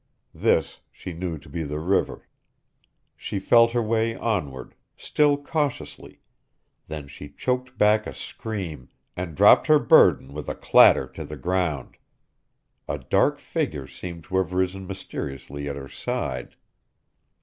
This she knew to be the river. She felt her way onward, still cautiously; then she choked back a scream and dropped her burden with a clatter to the ground. A dark figure seemed to have risen mysteriously at her side.